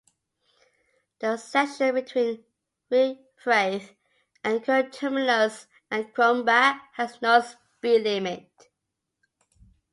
The section between Refrath and the current terminus at Krombach has no speed limit.